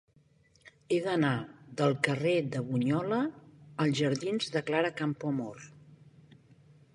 He d'anar del carrer de Bunyola als jardins de Clara Campoamor.